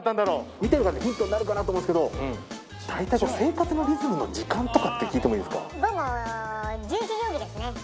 見ている方のヒントになるかなと思うんですけれども、大体生活のリズムの時間とかって聞いてもいいですか？